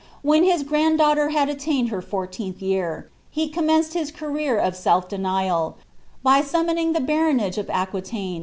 When his gran d d sni^hier had aiiained her fouileenth jtu, he eommenced his career of self denial, by Eummoning the baronage iJ Aquiiaine.